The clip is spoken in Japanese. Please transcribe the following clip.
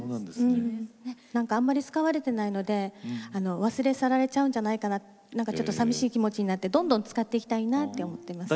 あまり使われてないので忘れ去られちゃうんじゃないかなちょっとさみしい気持ちになってどんどん使っていきたいなって思ってます。